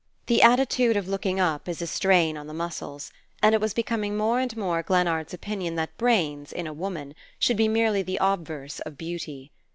The attitude of looking up is a strain on the muscles; and it was becoming more and more Glennard's opinion that brains, in a woman, should be merely the obverse of beauty.